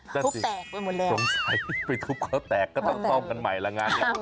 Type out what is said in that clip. นั่นสิตรงใต้ไปทุบเขาแตกก็ต้องซ่อมกันใหม่ละง่าย